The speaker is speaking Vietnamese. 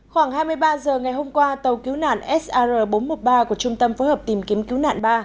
khoảng hai mươi ba h ngày hôm qua tàu cứu nạn sr bốn trăm một mươi ba của trung tâm phối hợp tìm kiếm cứu nạn ba